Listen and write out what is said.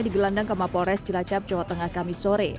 di gelandang kemapores cilacap jawa tengah kamisore